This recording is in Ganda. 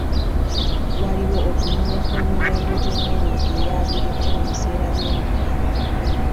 Waaliwo okulinnya kw'emiwendo gy'emmere eya bulijjo mu biseera by'omuggalo.